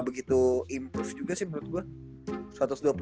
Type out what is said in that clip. gak begitu improve juga sih menurut gua